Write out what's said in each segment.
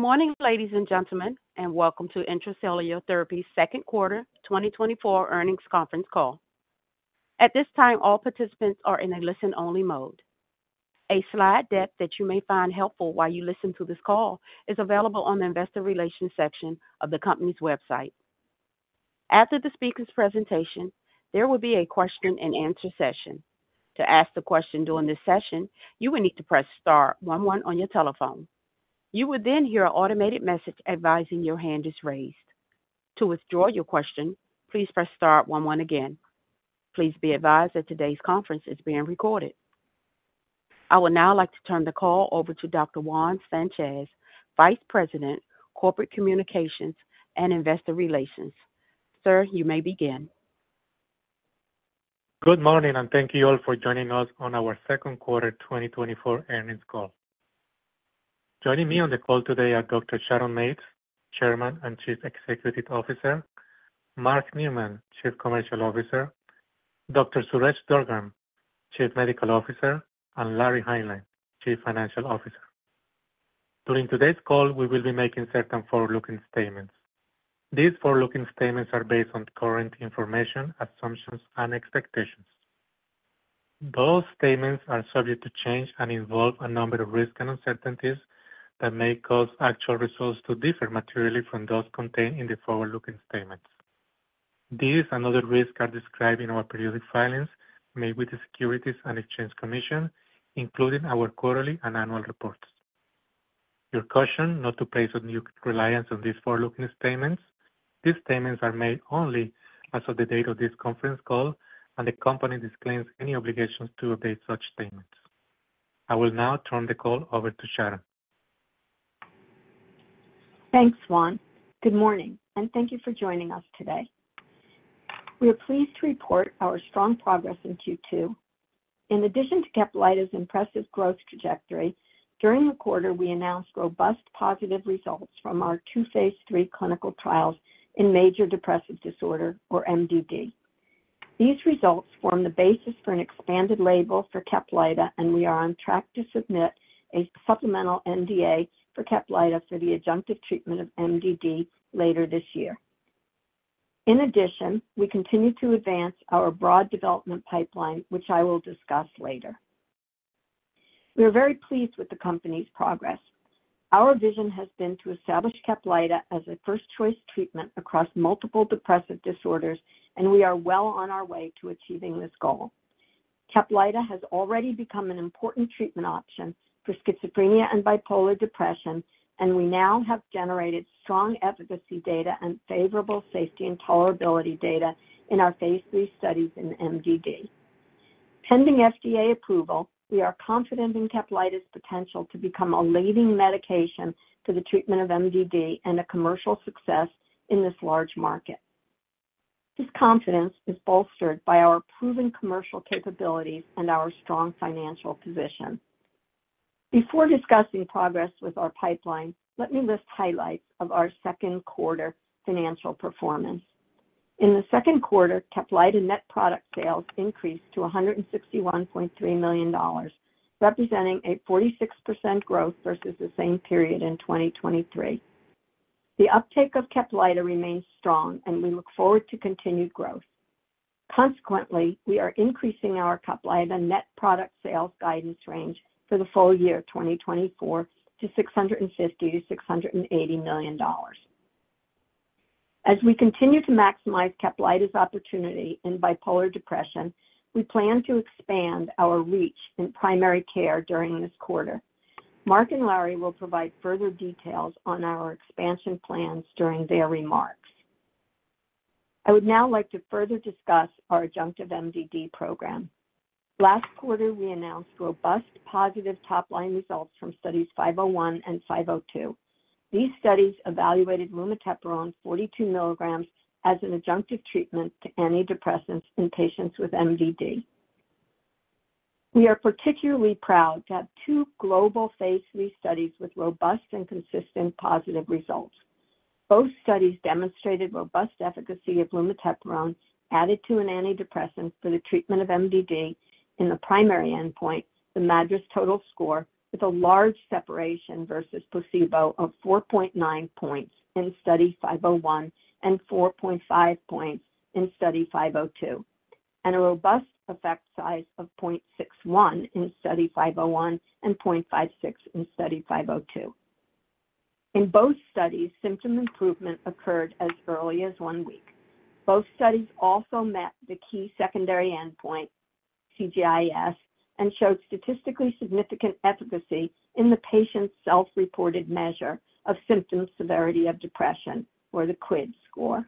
Good morning, ladies and gentlemen, and welcome to Intra-Cellular Therapies' second quarter 2024 earnings conference call. At this time, all participants are in a listen-only mode. A slide deck that you may find helpful while you listen to this call is available on the Investor Relations section of the company's website. After the speaker's presentation, there will be a question-and-answer session. To ask the question during this session, you will need to press star one one on your telephone. You will then hear an automated message advising your hand is raised. To withdraw your question, please press star one one again. Please be advised that today's conference is being recorded. I would now like to turn the call over to Dr. Juan Sanchez, Vice President, Corporate Communications and Investor Relations. Sir, you may begin. Good morning, and thank you all for joining us on our second quarter 2024 earnings call. Joining me on the call today are Dr. Sharon Mates, Chairman and Chief Executive Officer. Mark Neumann, Chief Commercial Officer. Dr. Suresh Durgam, Chief Medical Officer. And Larry Hineline, Chief Financial Officer. During today's call, we will be making certain forward-looking statements. These forward-looking statements are based on current information, assumptions, and expectations. Those statements are subject to change and involve a number of risks and uncertainties that may cause actual results to differ materially from those contained in the forward-looking statements. These and other risks are described in our periodic filings made with the Securities and Exchange Commission, including our quarterly and annual reports. We caution not to place undue reliance on these forward-looking statements. These statements are made only as of the date of this conference call, and the company disclaims any obligations to update such statements. I will now turn the call over to Sharon. Thanks, Juan. Good morning, and thank you for joining us today. We are pleased to report our strong progress in Q2. In addition to Caplyta's impressive growth trajectory, during the quarter, we announced robust positive results from our two phase III clinical trials in major depressive disorder, or MDD. These results form the basis for an expanded label for Caplyta, and we are on track to submit a supplemental NDA for Caplyta for the adjunctive treatment of MDD later this year. In addition, we continue to advance our broad development pipeline, which I will discuss later. We are very pleased with the company's progress. Our vision has been to establish Caplyta as a first choice treatment across multiple depressive disorders, and we are well on our way to achieving this goal. Caplyta has already become an important treatment option for schizophrenia and bipolar depression, and we now have generated strong efficacy data and favorable safety and tolerability data in our phase III studies in MDD. Pending FDA approval, we are confident in Caplyta's potential to become a leading medication for the treatment of MDD and a commercial success in this large market. This confidence is bolstered by our proven commercial capabilities and our strong financial position. Before discussing progress with our pipeline, let me list highlights of our second quarter financial performance. In the second quarter, Caplyta net product sales increased to $161.3 million, representing 46% growth versus the same period in 2023. The uptake of Caplyta remains strong, and we look forward to continued growth. Consequently, we are increasing our Caplyta net product sales guidance range for the full year 2024 to $650 million-$680 million. As we continue to maximize Caplyta's opportunity in bipolar depression, we plan to expand our reach in primary care during this quarter. Mark and Larry will provide further details on our expansion plans during their remarks. I would now like to further discuss our adjunctive MDD program. Last quarter, we announced robust positive top-line results from studies 501 and 502. These studies evaluated lumateperone 42 milligrams as an adjunctive treatment to antidepressants in patients with MDD. We are particularly proud to have two global phase 3 studies with robust and consistent positive results. Both studies demonstrated robust efficacy of lumateperone added to an antidepressant for the treatment of MDD in the primary endpoint, the MADRS total score, with a large separation versus placebo of 4.9 points in study 501 and 4.5 points in study 502, and a robust effect size of 0.61 in study 501 and 0.56 in study 502. In both studies, symptom improvement occurred as early as one week. Both studies also met the key secondary endpoint, CGI-S, and showed statistically significant efficacy in the patient's self-reported measure of symptom severity of depression, or the QIDS score.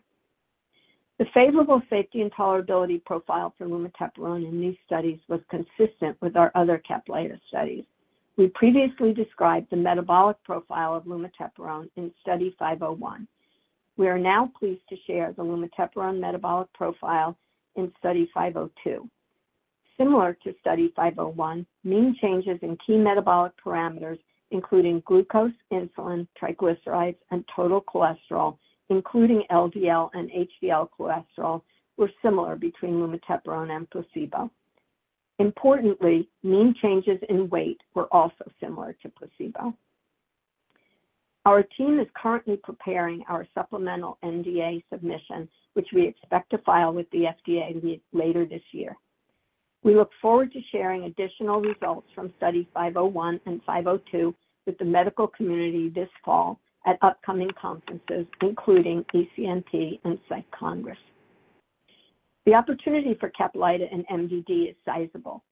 The favorable safety and tolerability profile for lumateperone in these studies was consistent with our other Caplyta studies. We previously described the metabolic profile of lumateperone in study 501. We are now pleased to share the lumateperone metabolic profile in Study 502. Similar to Study 501, mean changes in key metabolic parameters, including glucose, insulin, triglycerides, and total cholesterol, including LDL and HDL cholesterol, were similar between lumateperone and placebo. Importantly, mean changes in weight were also similar to placebo. Our team is currently preparing our supplemental NDA submission, which we expect to file with the FDA later this year. We look forward to sharing additional results from Study 501 and 502 with the medical community this fall at upcoming conferences, including ECNP and Psych Congress. The opportunity for Caplyta in MDD is sizable.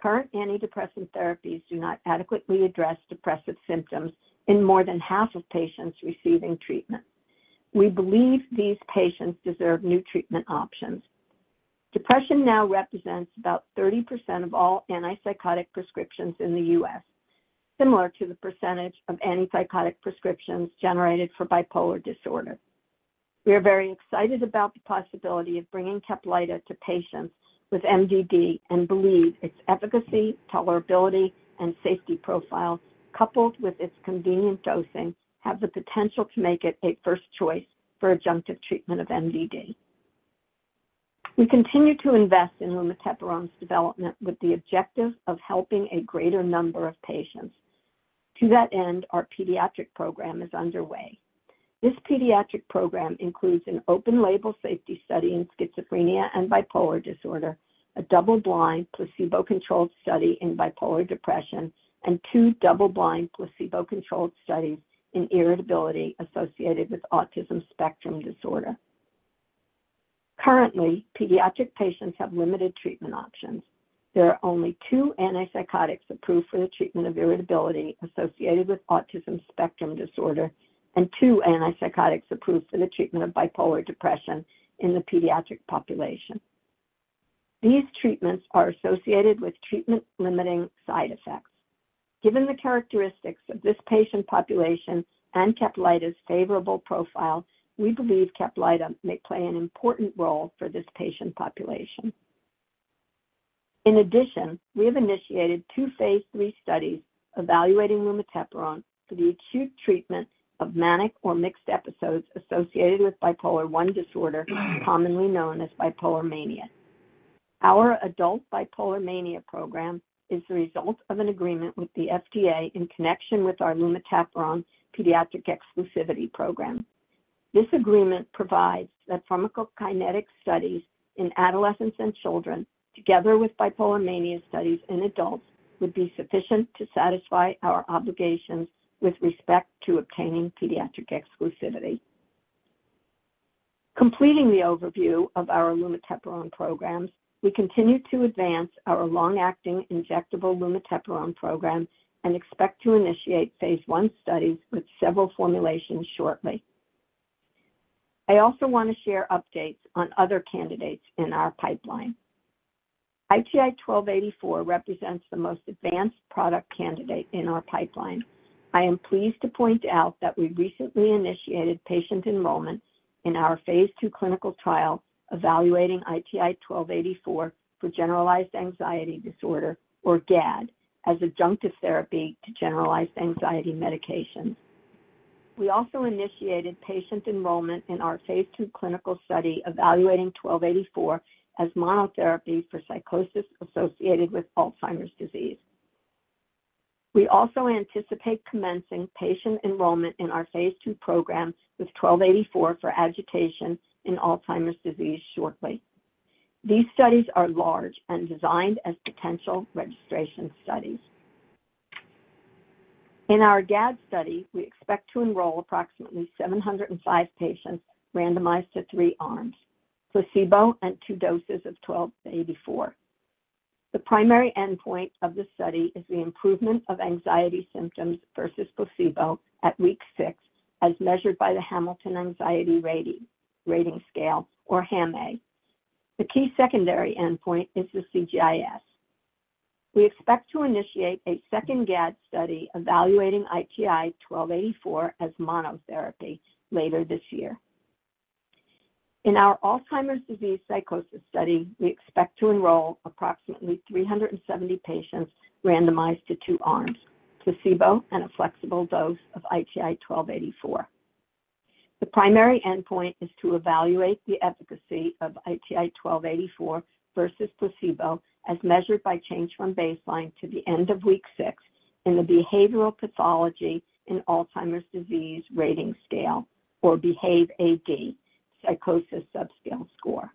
Current antidepressant therapies do not adequately address depressive symptoms in more than half of patients receiving treatment. We believe these patients deserve new treatment options. Depression now represents about 30% of all antipsychotic prescriptions in the U.S., similar to the percentage of antipsychotic prescriptions generated for bipolar disorder. We are very excited about the possibility of bringing Caplyta to patients with MDD and believe its efficacy, tolerability, and safety profile, coupled with its convenient dosing, have the potential to make it a first choice for adjunctive treatment of MDD. We continue to invest in lumateperone's development with the objective of helping a greater number of patients. To that end, our pediatric program is underway. This pediatric program includes an open-label safety study in schizophrenia and bipolar disorder, a double-blind, placebo-controlled study in bipolar depression, and two double-blind, placebo-controlled studies in irritability associated with autism spectrum disorder. Currently, pediatric patients have limited treatment options. There are only two antipsychotics approved for the treatment of irritability associated with autism spectrum disorder and two antipsychotics approved for the treatment of bipolar depression in the pediatric population. These treatments are associated with treatment-limiting side effects. Given the characteristics of this patient population and Caplyta's favorable profile, we believe Caplyta may play an important role for this patient population. In addition, we have initiated two phase 3 studies evaluating lumateperone for the acute treatment of manic or mixed episodes associated with bipolar one disorder, commonly known as bipolar mania. Our adult bipolar mania program is the result of an agreement with the FDA in connection with our lumateperone pediatric exclusivity program. This agreement provides that pharmacokinetic studies in adolescents and children, together with bipolar mania studies in adults, would be sufficient to satisfy our obligations with respect to obtaining pediatric exclusivity. Completing the overview of our lumateperone programs, we continue to advance our long-acting injectable lumateperone program and expect to initiate phase 1 studies with several formulations shortly. I also want to share updates on other candidates in our pipeline. ITI-1284 represents the most advanced product candidate in our pipeline. I am pleased to point out that we recently initiated patient enrollment in our phase 2 clinical trial evaluating ITI-1284 for generalized anxiety disorder, or GAD, as adjunctive therapy to generalized anxiety medications. We also initiated patient enrollment in our phase 2 clinical study, evaluating 1284 as monotherapy for psychosis associated with Alzheimer's disease. We also anticipate commencing patient enrollment in our phase 2 program with 1284 for agitation in Alzheimer's disease shortly. These studies are large and designed as potential registration studies. In our GAD study, we expect to enroll approximately 705 patients randomized to three arms, placebo and two doses of ITI-1284. The primary endpoint of the study is the improvement of anxiety symptoms versus placebo at week 6, as measured by the Hamilton Anxiety Rating Scale, or HAM-A. The key secondary endpoint is the CGI-S. We expect to initiate a second GAD study evaluating ITI-1284 as monotherapy later this year. In our Alzheimer's disease psychosis study, we expect to enroll approximately 370 patients randomized to two arms, placebo and a flexible dose of ITI-1284. The primary endpoint is to evaluate the efficacy of ITI-1284 versus placebo, as measured by change from baseline to the end of week 6 in the Behavioral Pathology in Alzheimer's Disease Rating Scale, or BEHAVE-AD, psychosis subscale score.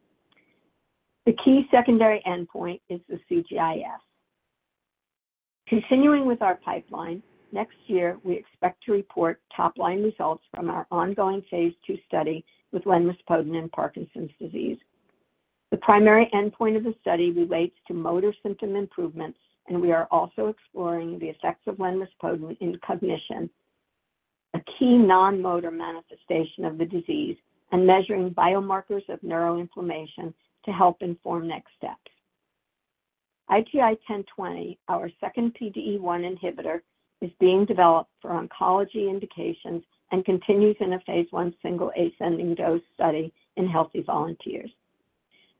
The key secondary endpoint is the CGI-S. Continuing with our pipeline, next year, we expect to report top-line results from our ongoing phase 2 study with lenraspodin in Parkinson's disease. The primary endpoint of the study relates to motor symptom improvements, and we are also exploring the effects of lenraspodin in cognition, a key non-motor manifestation of the disease, and measuring biomarkers of neuroinflammation to help inform next steps. ITI-1020, our second PDE1 inhibitor, is being developed for oncology indications and continues in a phase 1 single ascending dose study in healthy volunteers.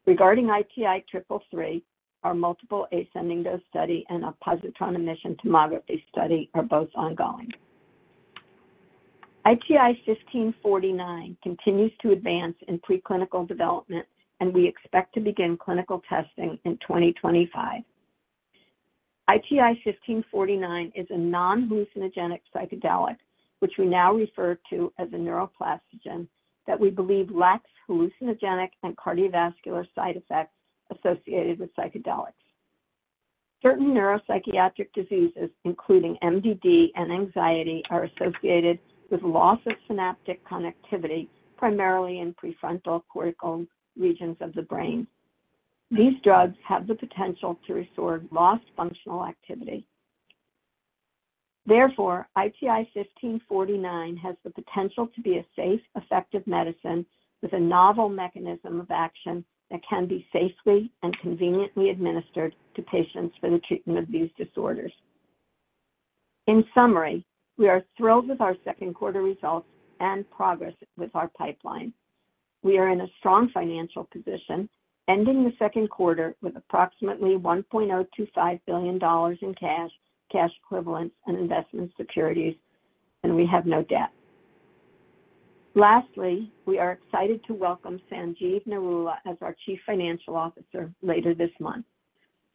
Regarding ITI-333, our multiple ascending dose study and a positron emission tomography study are both ongoing. ITI-1549 continues to advance in preclinical development, and we expect to begin clinical testing in 2025. ITI-1549 is a non-hallucinogenic psychedelic, which we now refer to as a neuroplastogen, that we believe lacks hallucinogenic and cardiovascular side effects associated with psychedelics. Certain neuropsychiatric diseases, including MDD and anxiety, are associated with loss of synaptic connectivity, primarily in prefrontal cortical regions of the brain. These drugs have the potential to restore lost functional activity. Therefore, ITI-1549 has the potential to be a safe, effective medicine with a novel mechanism of action that can be safely and conveniently administered to patients for the treatment of these disorders. In summary, we are thrilled with our second quarter results and progress with our pipeline. We are in a strong financial position, ending the second quarter with approximately $1.025 billion in cash, cash equivalents, and investment securities, and we have no debt. Lastly, we are excited to welcome Sanjeev Narula as our Chief Financial Officer later this month.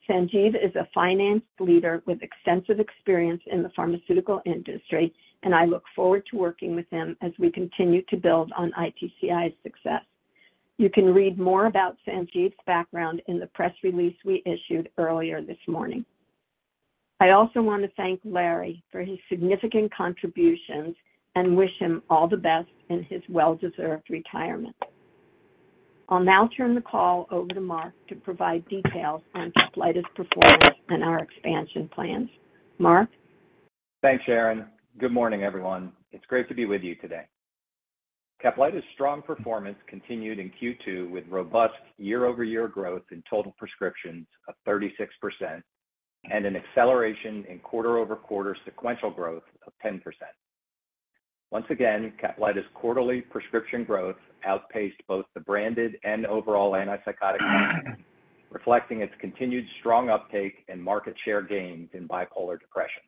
Sanjeev is a finance leader with extensive experience in the pharmaceutical industry, and I look forward to working with him as we continue to build on ITCI's success. You can read more about Sanjeev's background in the press release we issued earlier this morning. I also want to thank Larry for his significant contributions and wish him all the best in his well-deserved retirement. I'll now turn the call over to Mark to provide details on Caplyta's performance and our expansion plans. Mark? Thanks, Sharon. Good morning, everyone. It's great to be with you today. Caplyta's strong performance continued in Q2 with robust year-over-year growth in total prescriptions of 36% and an acceleration in quarter-over-quarter sequential growth of 10%. Once again, Caplyta's quarterly prescription growth outpaced both the branded and overall antipsychotic market, reflecting its continued strong uptake and market share gains in bipolar depression.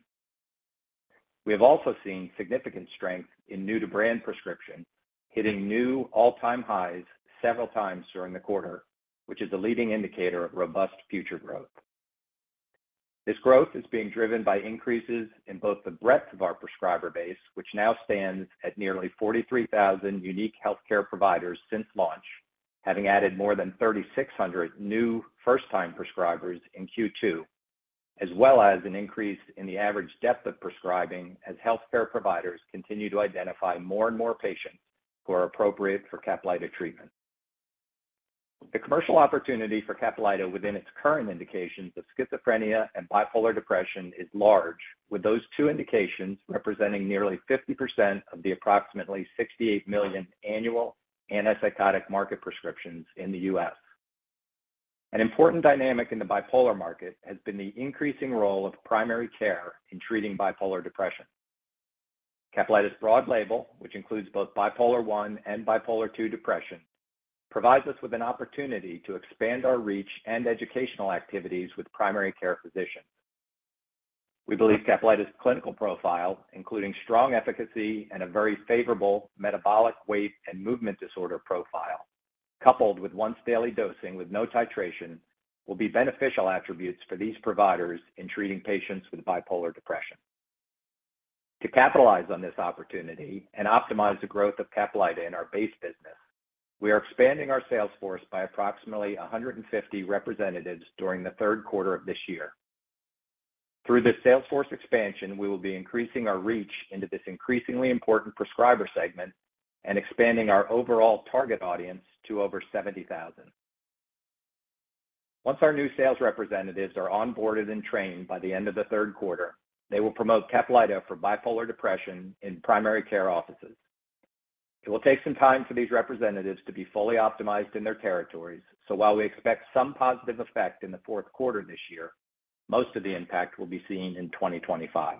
We have also seen significant strength in new-to-brand prescription, hitting new all-time highs several times during the quarter, which is a leading indicator of robust future growth. This growth is being driven by increases in both the breadth of our prescriber base, which now stands at nearly 43,000 unique healthcare providers since launch, having added more than 3,600 new first-time prescribers in Q2, as well as an increase in the average depth of prescribing as healthcare providers continue to identify more and more patients who are appropriate for Caplyta treatment. The commercial opportunity for Caplyta within its current indications of schizophrenia and bipolar depression is large, with those two indications representing nearly 50% of the approximately 68 million annual antipsychotic market prescriptions in the U.S. An important dynamic in the bipolar market has been the increasing role of primary care in treating bipolar depression. Caplyta's broad label, which includes both bipolar one and bipolar two depression, provides us with an opportunity to expand our reach and educational activities with primary care physicians. We believe Caplyta's clinical profile, including strong efficacy and a very favorable metabolic weight and movement disorder profile, coupled with once-daily dosing with no titration, will be beneficial attributes for these providers in treating patients with bipolar depression. To capitalize on this opportunity and optimize the growth of Caplyta in our base business, we are expanding our sales force by approximately 150 representatives during the third quarter of this year. Through this sales force expansion, we will be increasing our reach into this increasingly important prescriber segment and expanding our overall target audience to over 70,000. Once our new sales representatives are onboarded and trained by the end of the third quarter, they will promote Caplyta for bipolar depression in primary care offices. It will take some time for these representatives to be fully optimized in their territories, so while we expect some positive effect in the fourth quarter this year, most of the impact will be seen in 2025.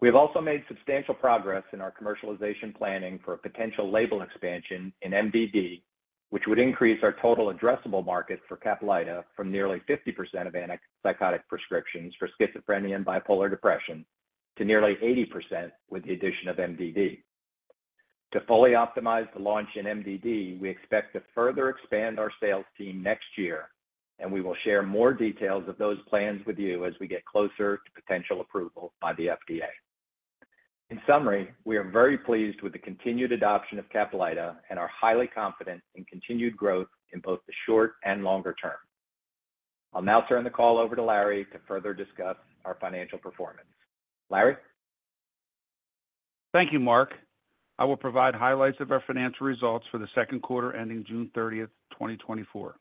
We have also made substantial progress in our commercialization planning for a potential label expansion in MDD, which would increase our total addressable market for Caplyta from nearly 50% of antipsychotic prescriptions for schizophrenia and bipolar depression to nearly 80% with the addition of MDD. To fully optimize the launch in MDD, we expect to further expand our sales team next year, and we will share more details of those plans with you as we get closer to potential approval by the FDA. In summary, we are very pleased with the continued adoption of Caplyta and are highly confident in continued growth in both the short and longer term. I'll now turn the call over to Larry to further discuss our financial performance. Larry? Thank you, Mark. I will provide highlights of our financial results for the second quarter ending June 30, 2024.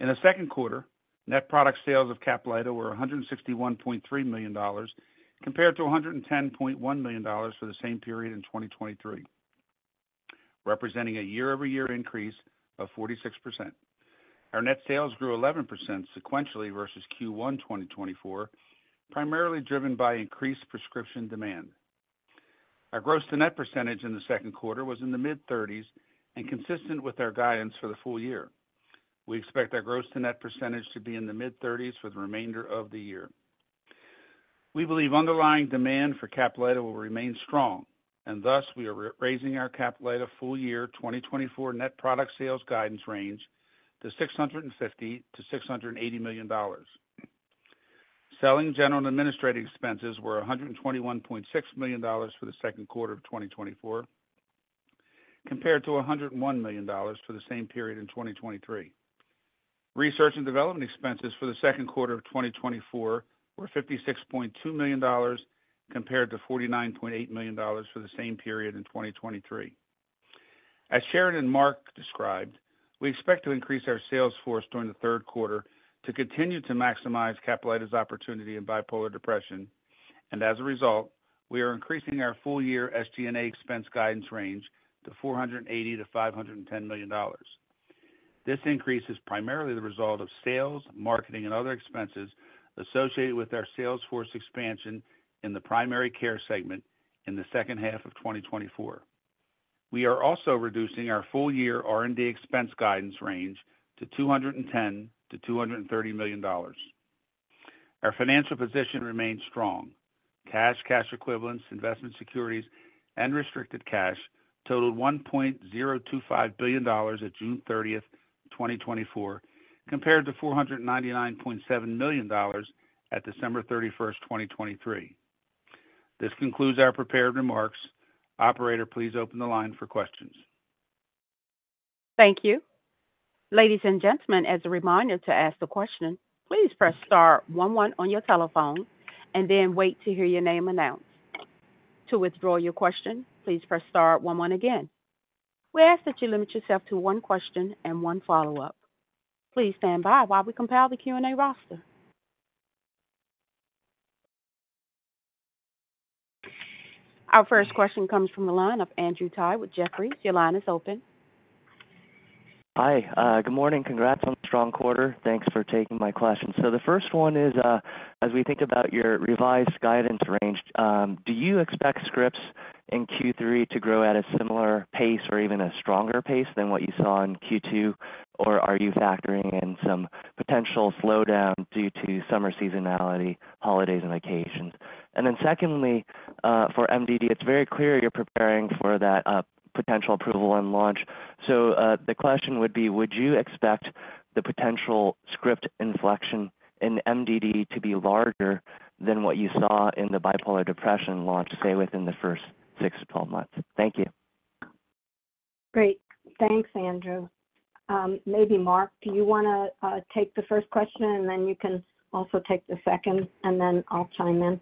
In the second quarter, net product sales of Caplyta were $161.3 million, compared to $110.1 million for the same period in 2023, representing a year-over-year increase of 46%. Our net sales grew 11% sequentially versus Q1 2024, primarily driven by increased prescription demand. Our gross to net percentage in the second quarter was in the mid-thirties and consistent with our guidance for the full year. We expect our gross to net percentage to be in the mid-thirties for the remainder of the year. We believe underlying demand for Caplyta will remain strong, and thus we are re-raising our Caplyta full-year 2024 net product sales guidance range to $650 million-$680 million. Selling, general, and administrative expenses were $121.6 million for the second quarter of 2024, compared to $101 million for the same period in 2023. Research and development expenses for the second quarter of 2024 were $56.2 million, compared to $49.8 million for the same period in 2023. As Sharon and Mark described, we expect to increase our sales force during the third quarter to continue to maximize Caplyta's opportunity in bipolar depression, and as a result, we are increasing our full-year SG&A expense guidance range to $480 million-$510 million. This increase is primarily the result of sales, marketing, and other expenses associated with our sales force expansion in the primary care segment in the second half of 2024. We are also reducing our full-year R&D expense guidance range to $210 million-$230 million. Our financial position remains strong. Cash, cash equivalents, investment securities, and restricted cash totaled $1.025 billion at June 30, 2024, compared to $499.7 million at December 31, 2023. This concludes our prepared remarks. Operator, please open the line for questions. Thank you. Ladies and gentlemen, as a reminder to ask the question, please press star one one on your telephone and then wait to hear your name announced. To withdraw your question, please press star one one again. We ask that you limit yourself to one question and one follow-up. Please stand by while we compile the Q&A roster. Our first question comes from the line of Andrew Tsai with Jefferies. Your line is open. Hi. Good morning. Congrats on the strong quarter. Thanks for taking my question. So the first one is, as we think about your revised guidance range, do you expect scripts in Q3 to grow at a similar pace or even a stronger pace than what you saw in Q2? Or are you factoring in some potential slowdown due to summer seasonality, holidays, and vacations? And then secondly, for MDD, it's very clear you're preparing for that, potential approval and launch. So, the question would be: Would you expect the potential script inflection in MDD to be larger than what you saw in the bipolar depression launch, say, within the first 6-12 months? Thank you. Great. Thanks, Andrew. Maybe Mark, do you want to take the first question and then you can also take the second, and then I'll chime in?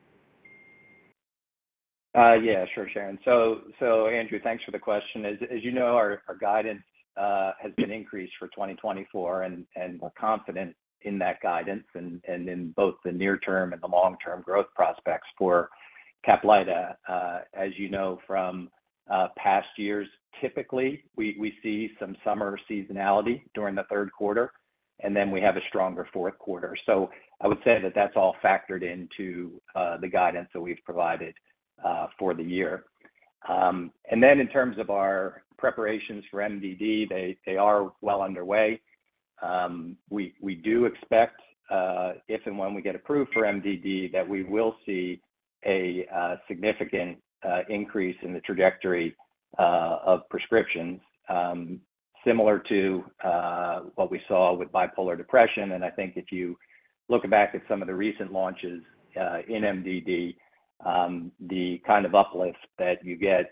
Yeah, sure, Sharon. So, Andrew, thanks for the question. As you know, our guidance has been increased for 2024, and we're confident in that guidance and in both the near-term and the long-term growth prospects for Caplyta. As you know from past years, typically, we see some summer seasonality during the third quarter, and then we have a stronger fourth quarter. So I would say that that's all factored into the guidance that we've provided for the year. And then in terms of our preparations for MDD, they are well underway. We do expect, if and when we get approved for MDD, that we will see a significant increase in the trajectory of prescriptions, similar to what we saw with bipolar depression. I think if you look back at some of the recent launches in MDD, the kind of uplift that you get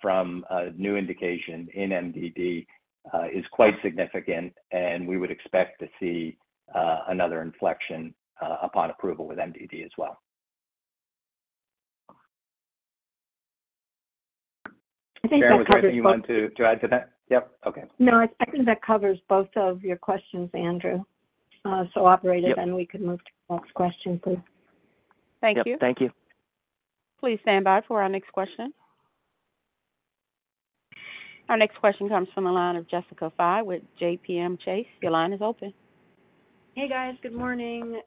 from a new indication in MDD is quite significant, and we would expect to see another inflection upon approval with MDD as well. I think that covers both- Sharon, was there anything you wanted to add to that? Yep. Okay. No, I think that covers both of your questions, Andrew. So operator- Yep. Then we can move to the next question, please. Thank you. Yep. Thank you. Please stand by for our next question. Our next question comes from the line of Jessica Fye with J.P. Morgan. Your line is open. Hey, guys. Good morning.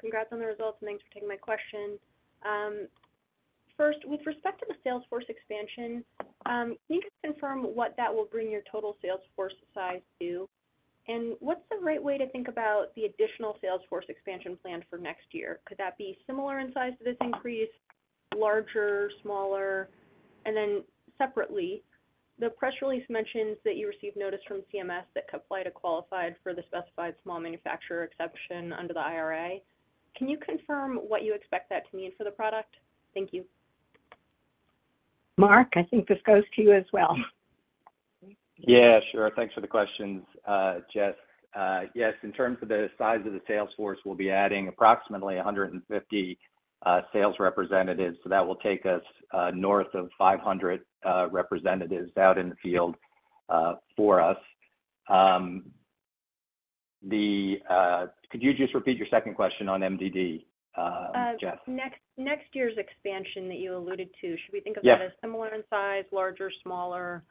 Congrats on the results, and thanks for taking my question. First, with respect to the sales force expansion, can you just confirm what that will bring your total sales force size to? And what's the right way to think about the additional sales force expansion plan for next year? Could that be similar in size to this increase, larger, smaller? And then separately, the press release mentions that you received notice from CMS that Caplyta qualified for the specified small manufacturer exception under the IRA. Can you confirm what you expect that to mean for the product? Thank you. Mark, I think this goes to you as well. Yeah, sure. Thanks for the questions, Jess. Yes, in terms of the size of the sales force, we'll be adding approximately 150 sales representatives, so that will take us north of 500 representatives out in the field for us. Could you just repeat your second question on MDD, Jess? Next, next year's expansion that you alluded to- Yeah. Should we think about it as similar in size, larger, smaller?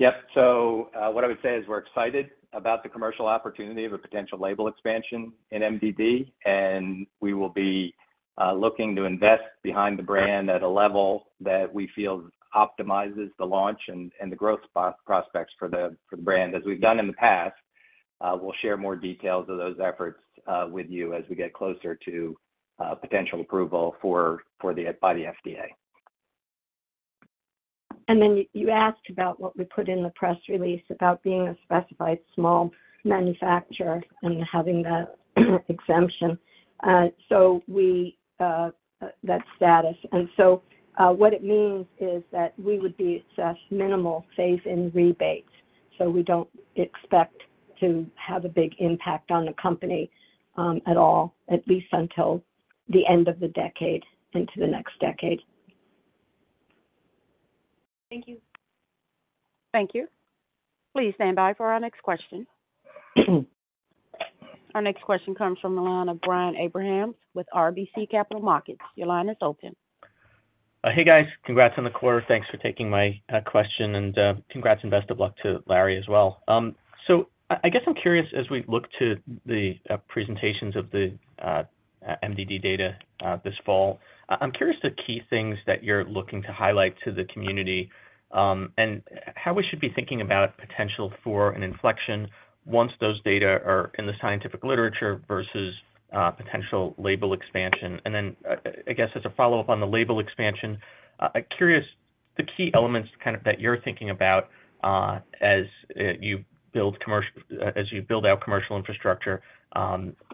Yep. So, what I would say is we're excited about the commercial opportunity of a potential label expansion in MDD, and we will be looking to invest behind the brand at a level that we feel optimizes the launch and the growth prospects for the brand. As we've done in the past, we'll share more details of those efforts with you as we get closer to potential approval by the FDA. And then you asked about what we put in the press release about being a specified small manufacturer and having that exemption. So we have that status. So, what it means is that we would be assessed minimal safe harbor in rebates, so we don't expect to have a big impact on the company, at all, at least until the end of the decade into the next decade. Thank you. Thank you. Please stand by for our next question. Our next question comes from the line of Brian Abrahams with RBC Capital Markets. Your line is open. Hey, guys. Congrats on the quarter. Thanks for taking my question, and congrats and best of luck to Larry as well. So I guess I'm curious, as we look to the presentations of the MDD data this fall, I'm curious the key things that you're looking to highlight to the community, and how we should be thinking about potential for an inflection once those data are in the scientific literature versus potential label expansion. And then I guess, as a follow-up on the label expansion, I'm curious, the key elements kind of that you're thinking about, as you build out commercial infrastructure,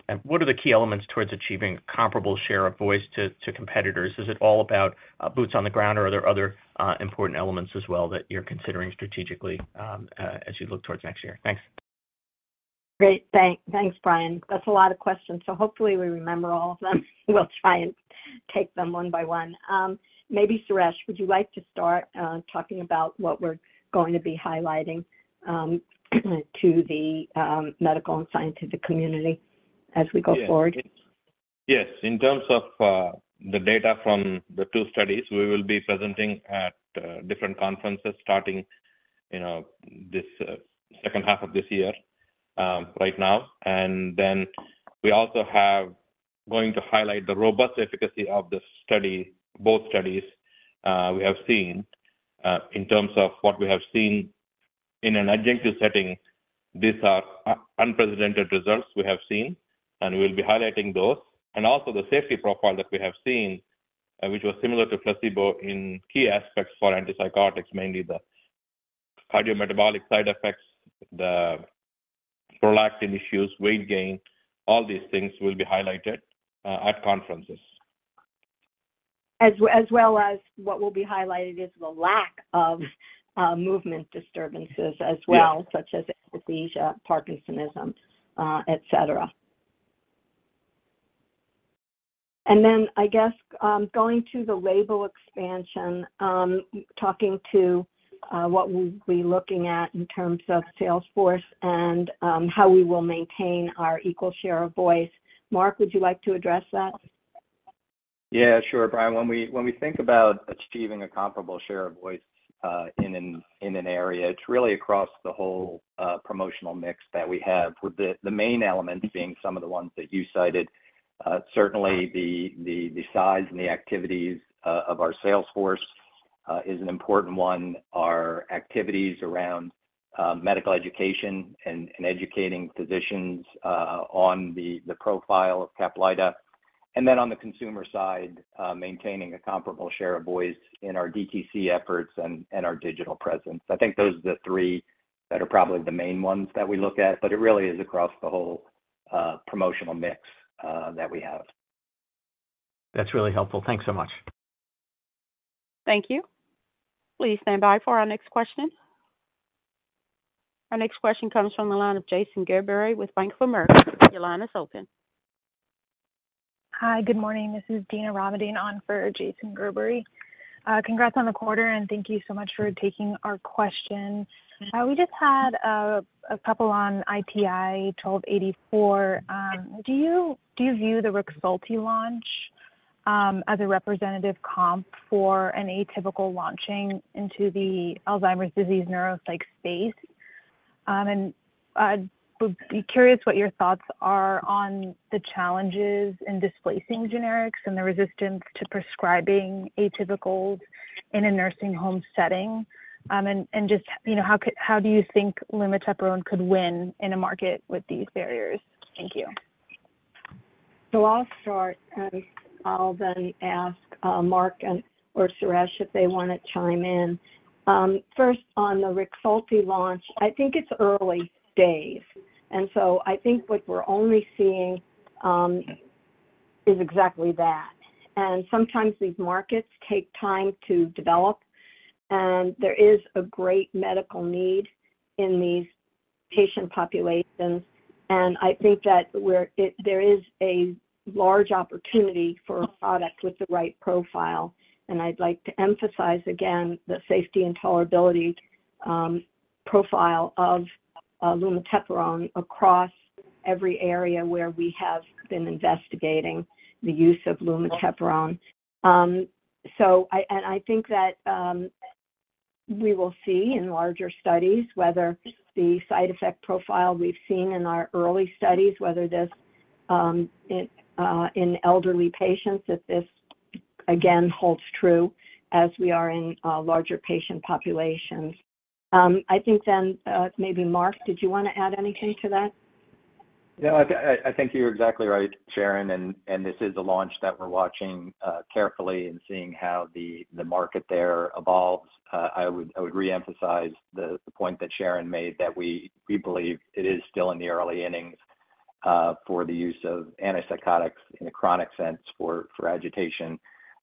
and what are the key elements towards achieving comparable share of voice to competitors? Is it all about boots on the ground, or are there other important elements as well that you're considering strategically as you look towards next year? Thanks. Great. Thanks, Brian. That's a lot of questions, so hopefully, we remember all of them. We'll try and take them one by one. Maybe, Suresh, would you like to start, talking about what we're going to be highlighting, to the medical and scientific community as we go forward? Yes. In terms of the data from the two studies, we will be presenting at different conferences, starting, you know, this second half of this year, right now. And then we also have going to highlight the robust efficacy of the study, both studies, we have seen. In terms of what we have seen in an adjunctive setting, these are unprecedented results we have seen, and we'll be highlighting those. And also, the safety profile that we have seen, which was similar to placebo in key aspects for antipsychotics, mainly the cardiometabolic side effects, the prolactin issues, weight gain, all these things will be highlighted at conferences. As well as what will be highlighted is the lack of movement disturbances as well- Yes. such as akathisia, parkinsonism, et cetera. And then, I guess, going to the label expansion, talking to what we'll be looking at in terms of sales force and how we will maintain our equal share of voice. Mark, would you like to address that? Yeah, sure, Brian. When we think about achieving a comparable share of voice in an area, it's really across the whole promotional mix that we have, with the main elements being some of the ones that you cited. Certainly, the size and the activities of our sales force is an important one. Our activities around medical education and educating physicians on the profile of Caplyta. And then on the consumer side, maintaining a comparable share of voice in our DTC efforts and our digital presence. I think those are the three that are probably the main ones that we look at, but it really is across the whole promotional mix that we have. That's really helpful. Thanks so much. Thank you. Please stand by for our next question. Our next question comes from the line of Jason Gerberry with Bank of America. Your line is open. Hi, good morning. This is Dina El-Rayes on for Jason Gerberry. Congrats on the quarter, and thank you so much for taking our questions. We just had a couple on ITI-1284. Do you view the Rexulti launch as a representative comp for an atypical launching into the Alzheimer's disease neuropsych space? And be curious what your thoughts are on the challenges in displacing generics and the resistance to prescribing atypicals in a nursing home setting. And just, you know, how do you think lumateperone could win in a market with these barriers? Thank you. So I'll start, and I'll then ask, Mark and/or Suresh if they wanna chime in. First, on the Rexulti launch, I think it's early days, and so I think what we're only seeing is exactly that. Sometimes these markets take time to develop, and there is a great medical need in these patient populations. I think that there is a large opportunity for a product with the right profile. I'd like to emphasize again, the safety and tolerability profile of lumateperone across every area where we have been investigating the use of lumateperone. So I think that we will see in larger studies whether the side effect profile we've seen in our early studies, whether this in elderly patients, that this again holds true as we are in larger patient populations. I think then, maybe Mark, did you wanna add anything to that? Yeah, I think you're exactly right, Sharon, and this is a launch that we're watching carefully and seeing how the market there evolves. I would reemphasize the point that Sharon made, that we believe it is still in the early innings for the use of antipsychotics in a chronic sense for agitation.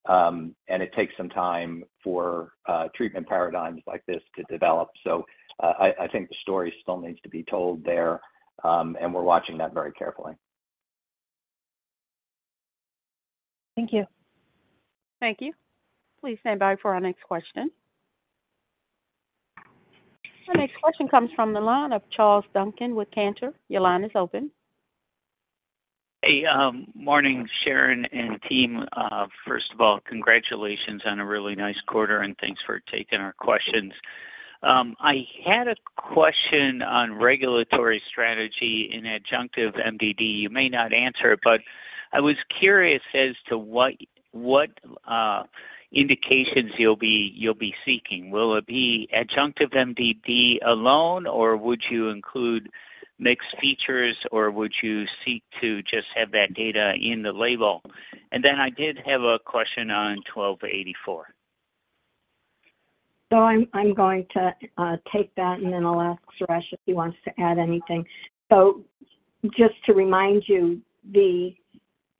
And it takes some time for treatment paradigms like this to develop. So, I think the story still needs to be told there, and we're watching that very carefully. Thank you. Thank you. Please stand by for our next question. Our next question comes from the line of Charles Duncan with Cantor. Your line is open. Hey, morning, Sharon and team. First of all, congratulations on a really nice quarter, and thanks for taking our questions. I had a question on regulatory strategy in adjunctive MDD. You may not answer it, but I was curious as to what indications you'll be seeking. Will it be adjunctive MDD alone, or would you include mixed features, or would you seek to just have that data in the label? And then I did have a question on 1284. So I'm going to take that, and then I'll ask Suresh if he wants to add anything. So just to remind you, the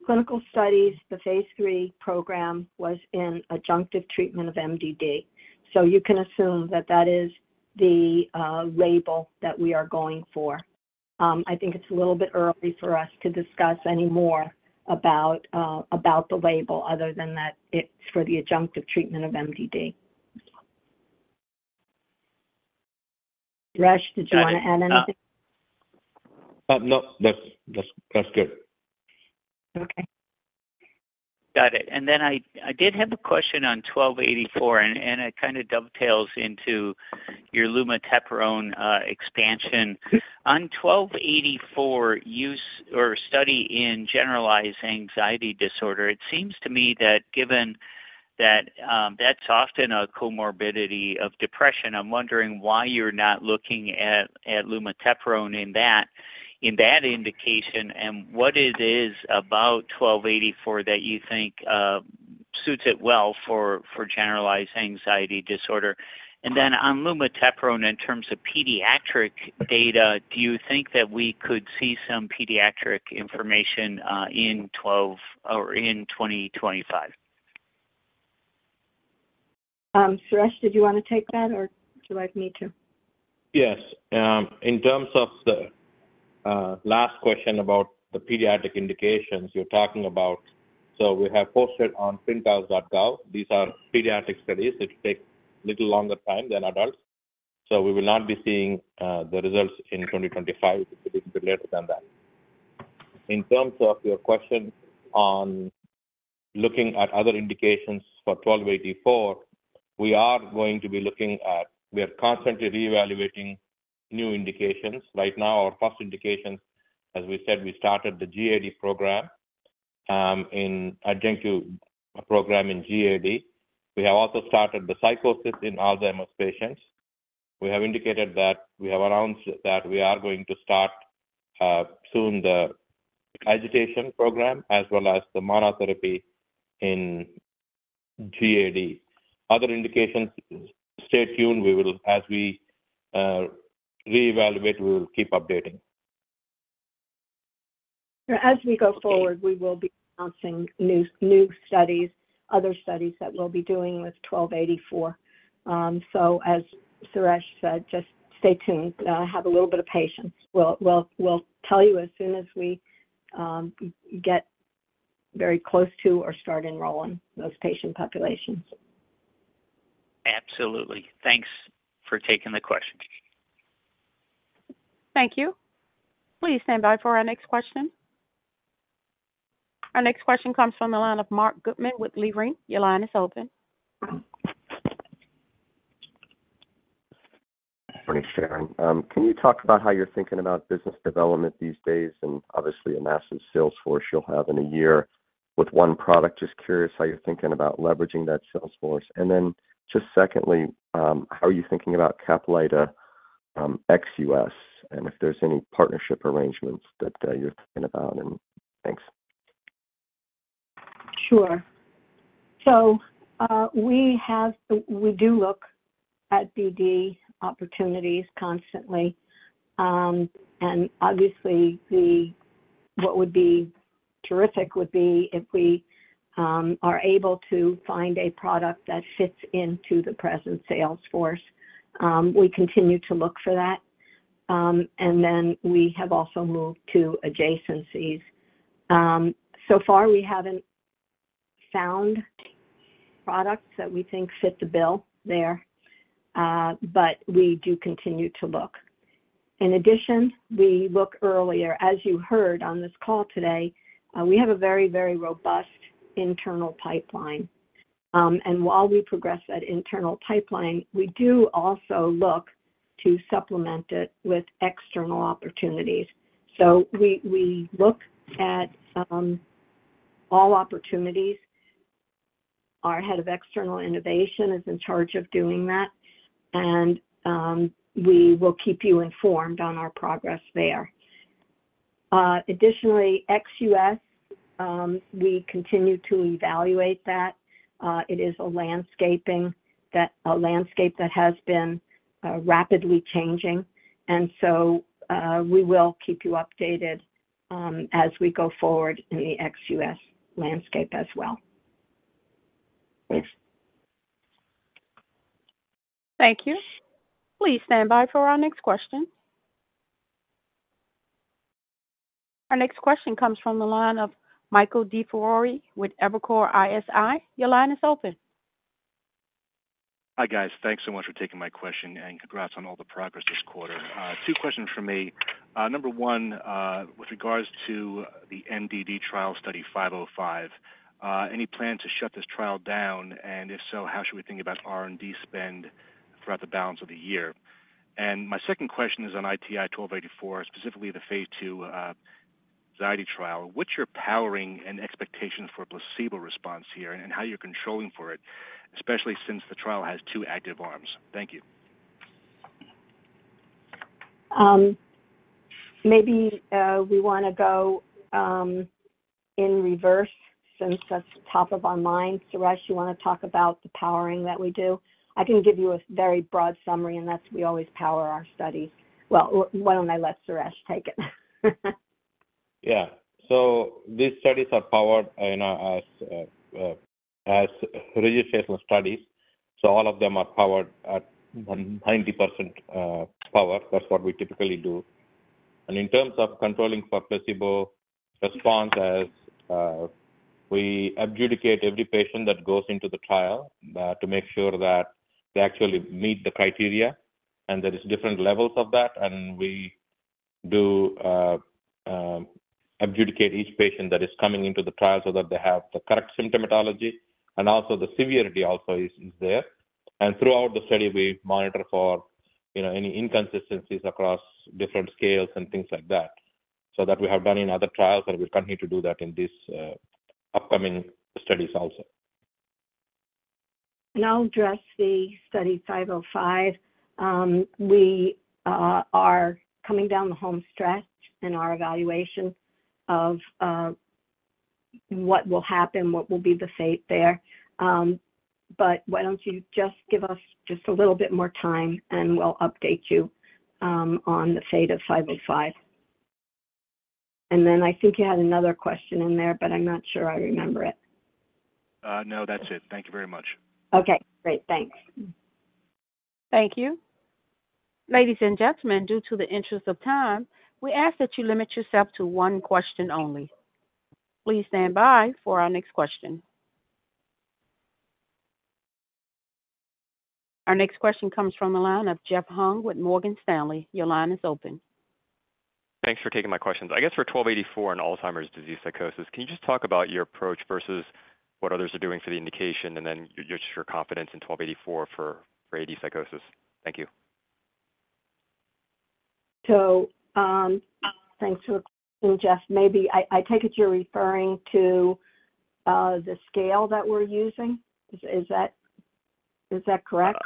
clinical studies, the phase three program, was in adjunctive treatment of MDD. So you can assume that that is the label that we are going for. I think it's a little bit early for us to discuss any more about about the label other than that it's for the adjunctive treatment of MDD. Suresh, did you wanna add anything? No. That's good. Okay. Got it. Then I did have a question on 1284, and it kind of dovetails into your lumateperone expansion. On 1284, use or study in generalized anxiety disorder, it seems to me that given that, that's often a comorbidity of depression, I'm wondering why you're not looking at lumateperone in that indication, and what it is about 1284 that you think suits it well for generalized anxiety disorder. And then on lumateperone, in terms of pediatric data, do you think that we could see some pediatric information in 2024 or in 2025? Suresh, did you wanna take that, or would you like me to? Yes. In terms of the last question about the pediatric indications you're talking about, so we have posted on ClinicalTrials.gov. These are pediatric studies. It takes little longer time than adults, so we will not be seeing the results in 2025, a little bit later than that. In terms of your question on looking at other indications for 1284, we are going to be looking at, we are constantly reevaluating new indications. Right now, our first indication, as we said, we started the GAD program in adjunctive program in GAD. We have also started the psychosis in Alzheimer's patients. We have indicated that we have announced that we are going to start soon the agitation program as well as the monotherapy in GAD. Other indications, stay tuned. We will, as we reevaluate, we will keep updating. As we go forward, we will be announcing new studies, other studies that we'll be doing with 1284. So as Suresh said, just stay tuned. Have a little bit of patience. We'll tell you as soon as we get very close to or start enrolling those patient populations. Absolutely. Thanks for taking the question. Thank you. Please stand by for our next question. Our next question comes from the line of Marc Goodman with Leerink. Your line is open. Morning, Sharon. Can you talk about how you're thinking about business development these days? And obviously, a massive sales force you'll have in a year with one product. Just curious how you're thinking about leveraging that sales force. And then just secondly, how are you thinking about Caplyta ex-US, and if there's any partnership arrangements that you're thinking about, and thanks. Sure. So, we do look at BD opportunities constantly. And obviously, what would be terrific would be if we are able to find a product that fits into the present sales force. We continue to look for that. And then we have also moved to adjacencies. So far we haven't found sound products that we think fit the bill there, but we do continue to look. In addition, we look earlier, as you heard on this call today, we have a very, very robust internal pipeline. And while we progress that internal pipeline, we do also look to supplement it with external opportunities. So we look at all opportunities. Our head of external innovation is in charge of doing that, and we will keep you informed on our progress there. Additionally, ex US, we continue to evaluate that. It is a landscape that has been rapidly changing, and so, we will keep you updated as we go forward in the ex US landscape as well. Thanks. Thank you. Please stand by for our next question. Our next question comes from the line of Michael DiFiore with Evercore ISI. Your line is open. Hi, guys. Thanks so much for taking my question, and congrats on all the progress this quarter. Two questions from me. Number one, with regards to the MDD trial study 505, any plan to shut this trial down? And if so, how should we think about R&D spend throughout the balance of the year? And my second question is on ITI-1284, specifically the phase 2 anxiety trial. What's your powering and expectations for placebo response here, and how you're controlling for it, especially since the trial has two active arms? Thank you. Maybe we wanna go in reverse, since that's top of our mind. Suresh, you wanna talk about the powering that we do? I can give you a very broad summary, and that's we always power our studies. Well, why don't I let Suresh take it? Yeah. So these studies are powered, you know, as registration studies, so all of them are powered at 90% power. That's what we typically do. And in terms of controlling for placebo response, as we adjudicate every patient that goes into the trial to make sure that they actually meet the criteria, and there is different levels of that. And we do adjudicate each patient that is coming into the trial so that they have the correct symptomatology. And also, the severity also is there. And throughout the study, we monitor for, you know, any inconsistencies across different scales and things like that. So that we have done in other trials, and we'll continue to do that in this upcoming studies also. I'll address the study 505. We are coming down the home stretch in our evaluation of what will happen, what will be the fate there. But why don't you just give us just a little bit more time, and we'll update you on the fate of 505. Then I think you had another question in there, but I'm not sure I remember it. No, that's it. Thank you very much. Okay, great. Thanks. Thank you. Ladies and gentlemen, in the interest of time, we ask that you limit yourself to one question only. Please stand by for our next question. Our next question comes from the line of Jeff Hung with Morgan Stanley. Your line is open. Thanks for taking my questions. I guess for 1284 and Alzheimer's disease psychosis, can you just talk about your approach versus what others are doing for the indication, and then just your confidence in 1284 for, for AD psychosis? Thank you. So, thanks for the question, Jeff. Maybe I take it you're referring to the scale that we're using. Is that correct?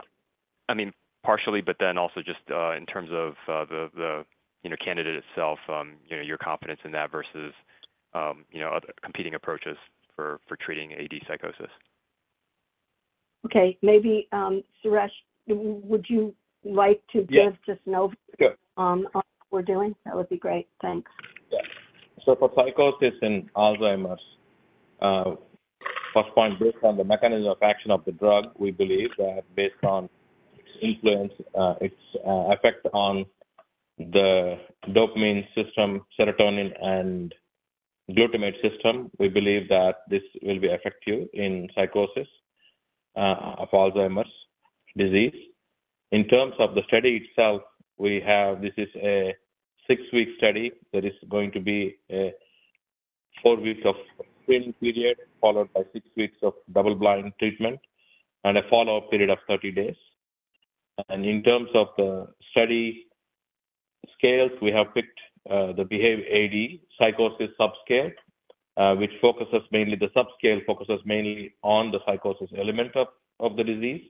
I mean, partially, but then also just in terms of the, you know, candidate itself, you know, your confidence in that versus, you know, other competing approaches for treating AD psychosis. Okay. Maybe, Suresh, would you like to- Yeah. Give just an overview. Sure. on what we're doing? That would be great. Thanks. Yeah. So for psychosis in Alzheimer's, first point, based on the mechanism of action of the drug, we believe that based on its influence, its effect on the dopamine system, serotonin, and glutamate system, we believe that this will be effective in psychosis of Alzheimer's disease. In terms of the study itself, we have. This is a 6-week study that is going to be a 4 weeks of screening period, followed by 6 weeks of double-blind treatment and a follow-up period of 30 days. In terms of the study scales, we have picked the BEHAVE-AD psychosis subscale, which focuses mainly on the psychosis element of the disease,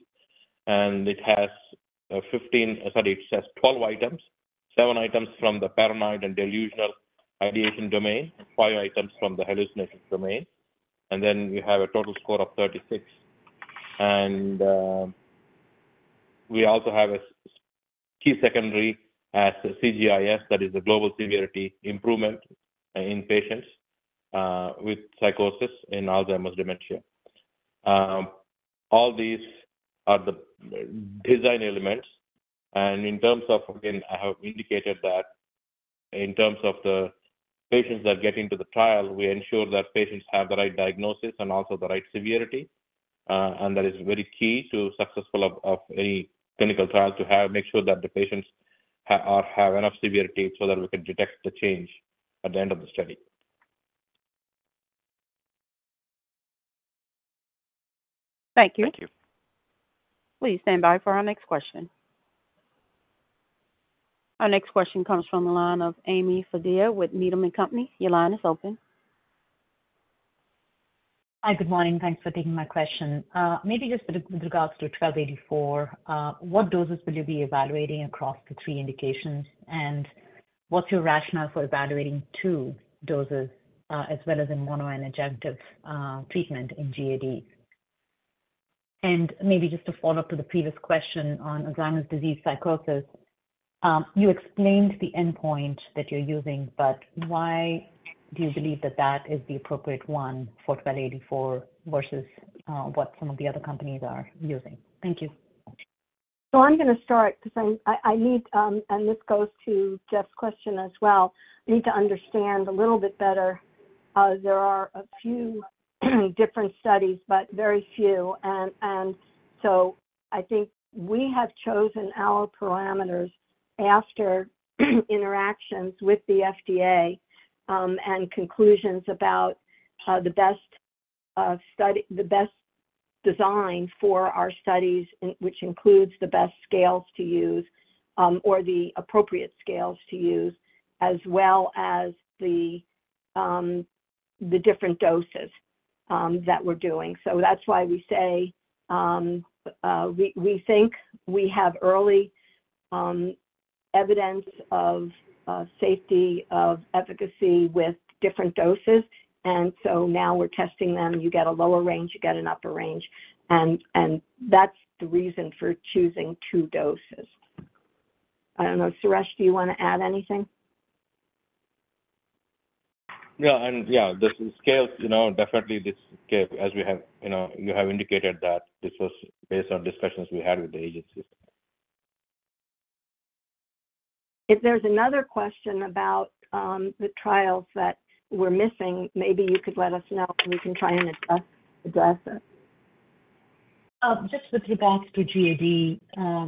and it has 15, sorry, it says 12 items. Seven items from the paranoid and delusional ideation domain, five items from the hallucination domain, and then we have a total score of 36. We also have a key secondary is CGI-S. That is the Global Severity Improvement in patients with psychosis in Alzheimer's dementia. All these are the design elements, and in terms of, again, I have indicated that in terms of the patients that get into the trial, we ensure that patients have the right diagnosis and also the right severity. And that is very key to the success of any clinical trial, to make sure that the patients have enough severity so that we can detect the change at the end of the study. Thank you. Please stand by for our next question. Our next question comes from the line of Amy Fadia with Needham & Company. Your line is open. Hi, good morning. Thanks for taking my question. Maybe just with, with regards to ITI-1284, what doses will you be evaluating across the three indications? And what's your rationale for evaluating two doses, as well as a mono and adjunctive treatment in GAD? And maybe just to follow up to the previous question on Alzheimer's disease psychosis. You explained the endpoint that you're using, but why do you believe that that is the appropriate one for ITI-1284 versus what some of the other companies are using? Thank you. So I'm gonna start because I need, and this goes to Jeff's question as well. I need to understand a little bit better. There are a few different studies, but very few. So I think we have chosen our parameters after interactions with the FDA, and conclusions about the best study, the best design for our studies, in which includes the best scales to use, or the appropriate scales to use, as well as the different doses that we're doing. So that's why we say we think we have early evidence of safety, of efficacy with different doses, and so now we're testing them. You get a lower range, you get an upper range, and that's the reason for choosing two doses. I don't know. Suresh, do you want to add anything? No. And yeah, the scales, you know, definitely this scale, as we have, you know, you have indicated that this was based on discussions we had with the agencies. If there's another question about the trials that we're missing, maybe you could let us know, and we can try and address it. Just with regards to GAD,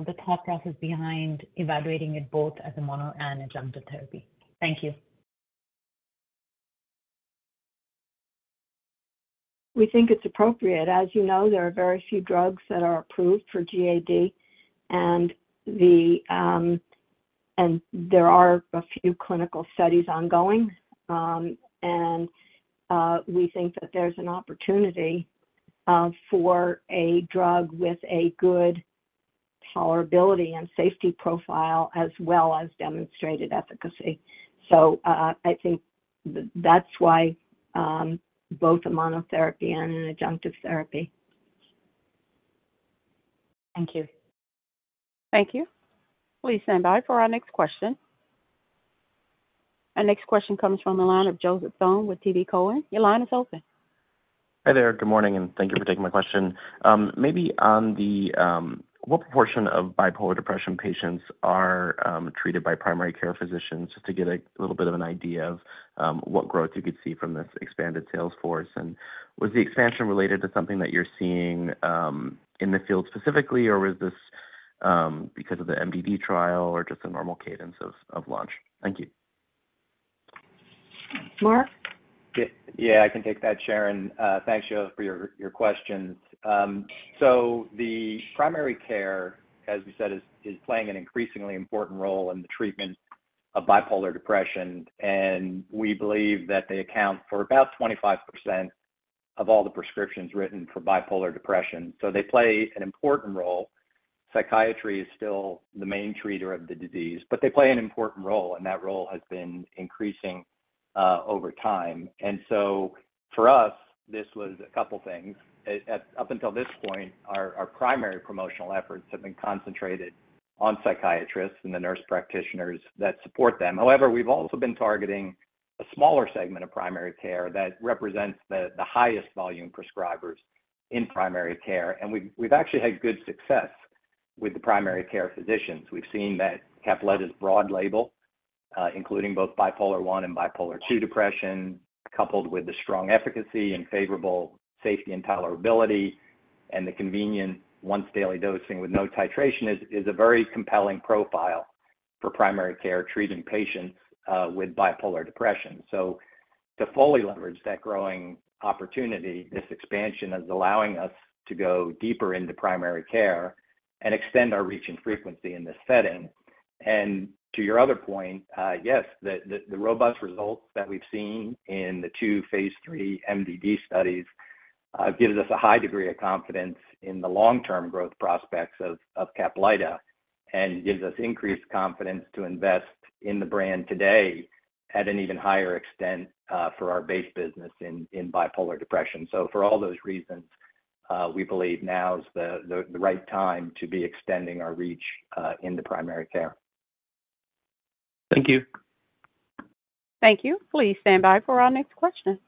the thought process behind evaluating it both as a mono and adjunctive therapy. Thank you. We think it's appropriate. As you know, there are very few drugs that are approved for GAD, and there are a few clinical studies ongoing. And we think that there's an opportunity for a drug with a good tolerability and safety profile, as well as demonstrated efficacy. So I think that's why both a monotherapy and an adjunctive therapy. Thank you. Thank you. Please stand by for our next question. Our next question comes from the line of Joseph Thome with TD Cowen. Your line is open. Hi there. Good morning, and thank you for taking my question. Maybe on the, what proportion of bipolar depression patients are treated by primary care physicians, just to get a little bit of an idea of, what growth you could see from this expanded sales force? And was the expansion related to something that you're seeing, in the field specifically, or was this, because of the MDD trial or just a normal cadence of launch? Thank you. Mark? Yeah, yeah, I can take that, Sharon. Thanks, Joseph, for your questions. So the primary care, as you said, is playing an increasingly important role in the treatment of bipolar depression, and we believe that they account for about 25% of all the prescriptions written for bipolar depression. So they play an important role. Psychiatry is still the main treater of the disease, but they play an important role, and that role has been increasing over time. And so for us, this was a couple things. Up until this point, our primary promotional efforts have been concentrated on psychiatrists and the nurse practitioners that support them. However, we've also been targeting a smaller segment of primary care that represents the highest volume prescribers in primary care, and we've actually had good success with the primary care physicians. We've seen that Caplyta's broad label, including both bipolar one and bipolar two depression, coupled with the strong efficacy and favorable safety and tolerability, and the convenient once daily dosing with no titration is a very compelling profile for primary care treating patients with bipolar depression. So to fully leverage that growing opportunity, this expansion is allowing us to go deeper into primary care and extend our reach and frequency in this setting. And to your other point, yes, the robust results that we've seen in the two phase 3 MDD studies gives us a high degree of confidence in the long-term growth prospects of Caplyta and gives us increased confidence to invest in the brand today at an even higher extent for our base business in bipolar depression. So for all those reasons, we believe now is the right time to be extending our reach into primary care. Thank you. Thank you. Please stand by for our next question.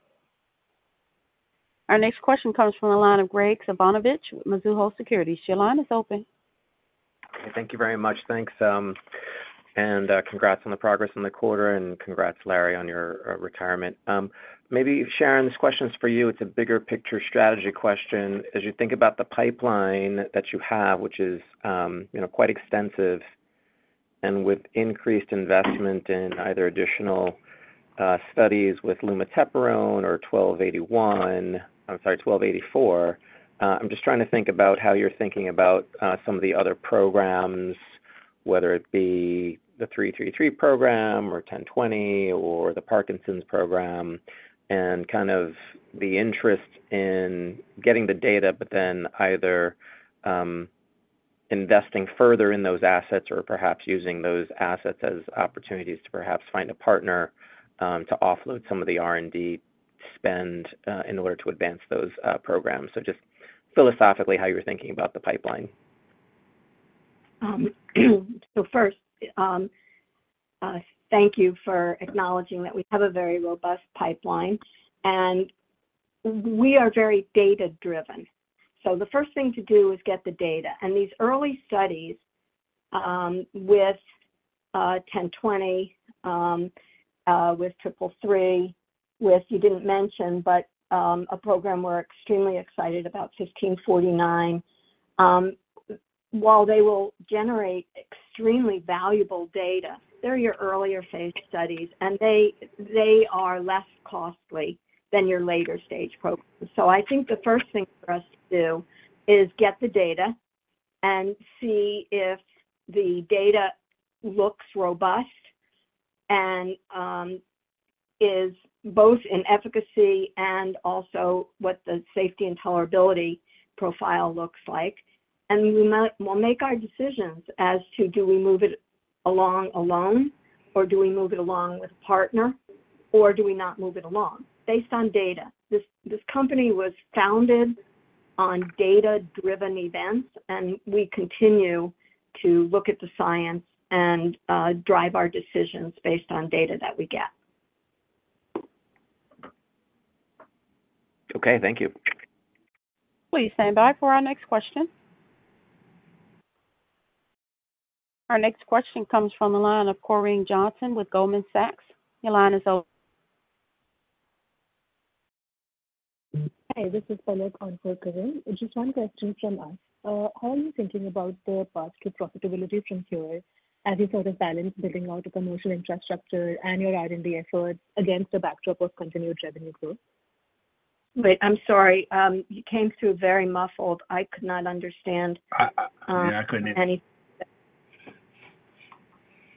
Our next question comes from the line of Graig Suvannavejh with Mizuho Securities. Your line is open. Thank you very much. Thanks, and congrats on the progress in the quarter, and congrats, Larry, on your retirement. Maybe, Sharon, this question is for you. It's a bigger picture strategy question. As you think about the pipeline that you have, which is, you know, quite extensive, and with increased investment in either additional studies with lumateperone or 1281, I'm sorry, 1284. I'm just trying to think about how you're thinking about some of the other programs, whether it be the 333 program or 1020 or the Parkinson's program, and kind of the interest in getting the data, but then either investing further in those assets or perhaps using those assets as opportunities to perhaps find a partner to offload some of the R&D spend in order to advance those programs. Just philosophically, how you're thinking about the pipeline? So first, thank you for acknowledging that we have a very robust pipeline, and we are very data-driven. So the first thing to do is get the data. And these early studies with ITI-1020 with ITI-333, which you didn't mention, but a program we're extremely excited about, ITI-1549. While they will generate extremely valuable data, they're your earlier phase studies, and they are less costly than your later stage programs. So I think the first thing for us to do is get the data and see if the data looks robust and is both in efficacy and also what the safety and tolerability profile looks like. And we might, we'll make our decisions as to do we move it along alone, or do we move it along with partner, or do we not move it along based on data. This, this company was founded on data-driven events, and we continue to look at the science and drive our decisions based on data that we get. Okay, thank you. Please stand by for our next question. Our next question comes from the line of Corinne Jenkins with Goldman Sachs. Your line is open. Hi, this is Corinne Jenkins. Just one question from us. How are you thinking about the path to profitability from here as you sort of balance building out a commercial infrastructure and your R&D efforts against the backdrop of continued revenue growth? Wait, I'm sorry. You came through very muffled. I could not understand any- I, yeah, I couldn't either.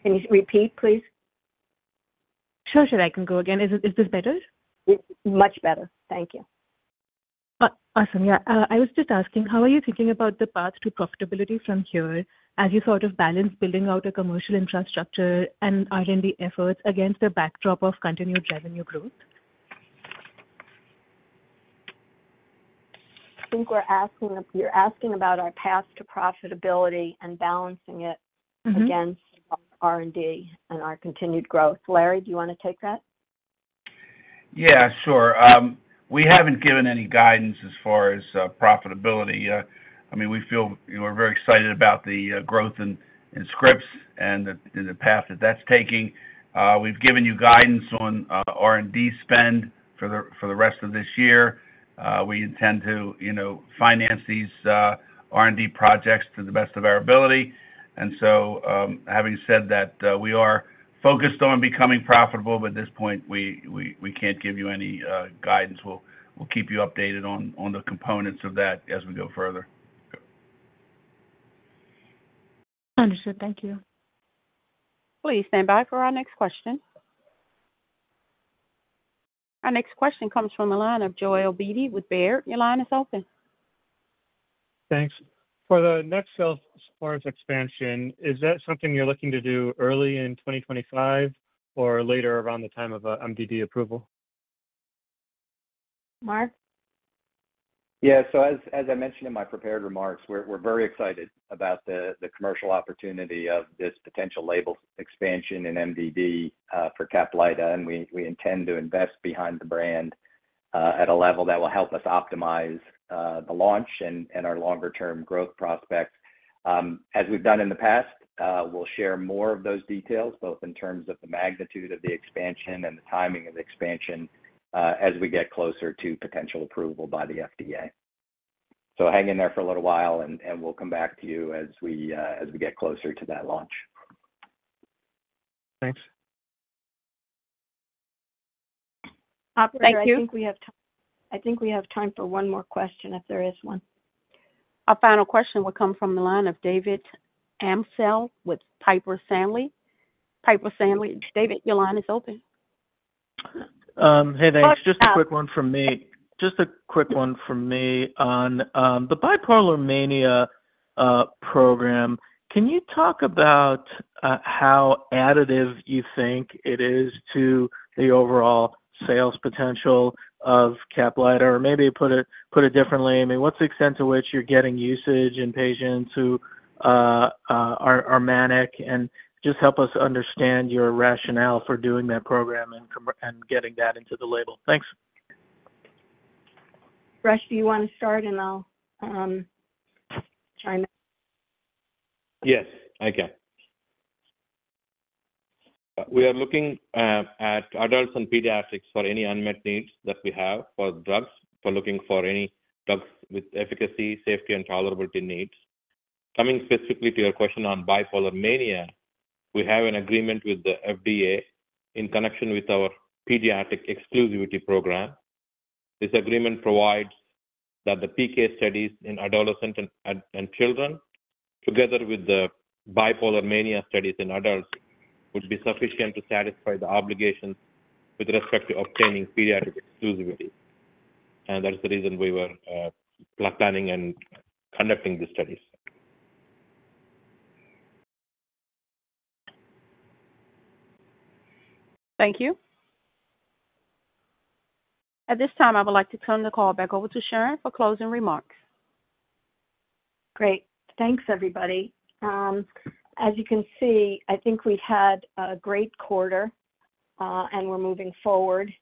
Can you repeat, please? Sure, sure, I can go again. Is this, is this better? Much better. Thank you. Awesome. Yeah, I was just asking, how are you thinking about the path to profitability from here as you sort of balance building out a commercial infrastructure and R&D efforts against the backdrop of continued revenue growth? I think we're asking if you're asking about our path to profitability and balancing it- Mm-hmm. -against R&D and our continued growth. Larry, do you want to take that? Yeah, sure. We haven't given any guidance as far as profitability. I mean, we feel, you know, we're very excited about the growth in scripts and the path that that's taking. We've given you guidance on R&D spend for the rest of this year. We intend to, you know, finance these R&D projects to the best of our ability. And so, having said that, we are focused on becoming profitable, but at this point, we can't give you any guidance. We'll keep you updated on the components of that as we go further. Understood. Thank you. Please stand by for our next question. Our next question comes from the line of Joel Beatty with Baird. Your line is open. Thanks. For the next sales force expansion, is that something you're looking to do early in 2025 or later around the time of MDD approval? Mark? Yeah, so as I mentioned in my prepared remarks, we're very excited about the commercial opportunity of this potential label expansion in MDD for Caplyta, and we intend to invest behind the brand at a level that will help us optimize the launch and our longer-term growth prospects. As we've done in the past, we'll share more of those details, both in terms of the magnitude of the expansion and the timing of the expansion, as we get closer to potential approval by the FDA. So hang in there for a little while and we'll come back to you as we get closer to that launch. Thanks. Thank you. I think we have time for one more question if there is one. Our final question will come from the line of David Amsellem with Piper Sandler. Piper Sandler. David, your line is open. Hey, thanks. Uh- Just a quick one from me on the bipolar mania program. Can you talk about how additive you think it is to the overall sales potential of Caplyta? Or maybe put it differently, I mean, what's the extent to which you're getting usage in patients who are manic? And just help us understand your rationale for doing that program and getting that into the label. Thanks. Suresh, do you want to start and I'll chime in? Yes, I can. We are looking at adults and pediatrics for any unmet needs that we have for drugs, for looking for any drugs with efficacy, safety, and tolerability needs. Coming specifically to your question on bipolar mania, we have an agreement with the FDA in connection with our pediatric exclusivity program. This agreement provides that the PK studies in adolescent and children, together with the bipolar mania studies in adults, would be sufficient to satisfy the obligations with respect to obtaining pediatric exclusivity. That is the reason we were planning and conducting these studies. Thank you. At this time, I would like to turn the call back over to Sharon for closing remarks. Great. Thanks, everybody. As you can see, I think we had a great quarter, and we're moving forward.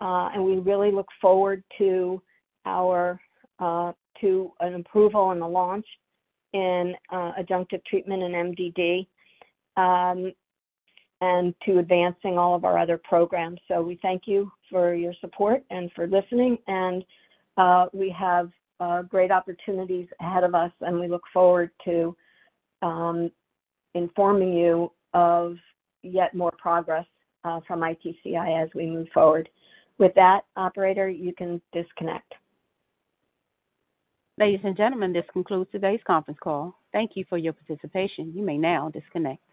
We really look forward to an approval and a launch in adjunctive treatment in MDD, and to advancing all of our other programs. We thank you for your support and for listening, and we have great opportunities ahead of us, and we look forward to informing you of yet more progress from ITCI as we move forward. With that, operator, you can disconnect. Ladies and gentlemen, this concludes today's conference call. Thank you for your participation. You may now disconnect.